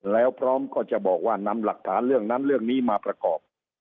แล้วพร้อมก็จะบอกว่านำหลักฐานเรื่องนั้นเรื่องนี้มาประกอบ